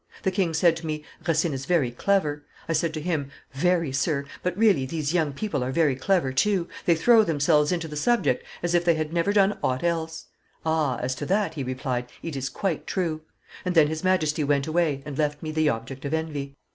The king said to me, 'Racine is very clever.' I said to him, 'Very, Sir; but really these young people are very clever too; they throw themselves into the subject as if they had never done aught else.' 'Ah! as to that,' he replied, 'it is quite true.' And then his Majesty went away and left me the object of envy.